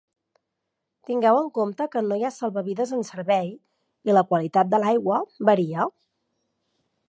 Tingueu en compte que no hi ha salvavides en servei i la qualitat de l'aigua varia.